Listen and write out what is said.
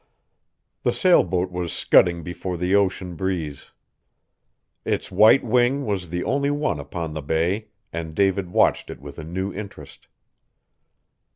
The sailboat was scudding before the ocean breeze. Its white wing was the only one upon the bay, and David watched it with a new interest.